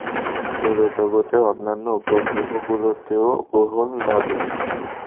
সৌরজগতের অন্যান্য উপগ্রহগুলোতেও গ্রহণ লাগে।